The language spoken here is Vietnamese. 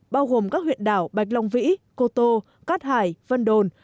bao gồm các huyện đảo bạch long vĩ cô tô cát hải vân đồn